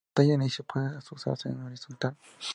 La pantalla de inicio puede usarse en horizontal.